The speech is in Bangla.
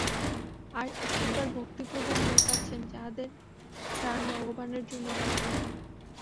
আর এক প্রকার ভক্তিপ্রবণ লোক আছেন, যাঁহাদের প্রাণ ভগবানের জন্য ব্যাকুল।